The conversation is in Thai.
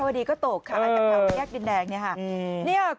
พี่ทำยังไงฮะ